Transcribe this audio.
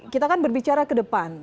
kita kan berbicara ke depan